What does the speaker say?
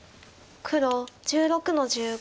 黒１６の十五。